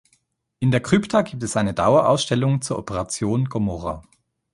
In der Krypta gibt es eine Dauerausstellung zur Operation Gomorrha.